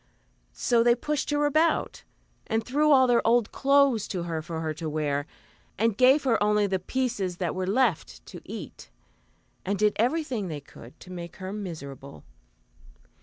So they pushed her about, and threw all their old clothes to her for her to wear, and gave her only the pieces that were left to eat, and did everything that they could to make her miserable.